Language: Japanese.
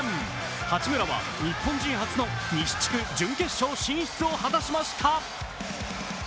八村は日本人初の西地区準決勝進出を決めました。